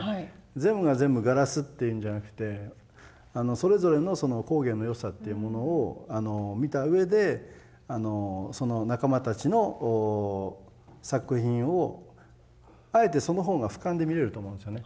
全部が全部ガラスっていうんじゃなくてそれぞれの工芸の良さっていうものを見たうえでその仲間たちの作品をあえてその方がふかんで見れると思うんですよね。